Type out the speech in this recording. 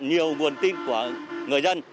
nhiều nguồn tin của người dân